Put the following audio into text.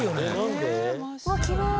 うわあきれい！